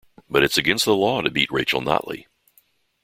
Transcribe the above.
But it's against the law to beat Rachel Notley.